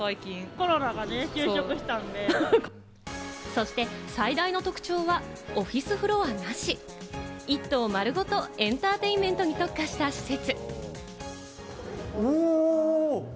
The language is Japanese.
そして最大の特徴はオフィスフロアなし、一棟丸ごとエンターテインメントに特化した施設。